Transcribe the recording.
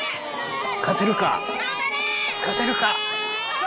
すかせるか、すかせるか。